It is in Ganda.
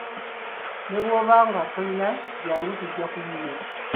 Ne bwoba nga tolina jjangu tujja kuyiiya.